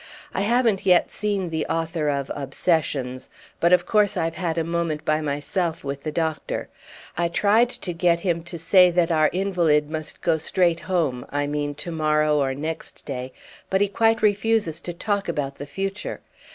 I haven't yet seen the author of 'Obsessions,' but of course I've had a moment by myself with the Doctor. I tried to get him to say that our invalid must go straight home—I mean to morrow or next day; but he quite refuses to talk about the future.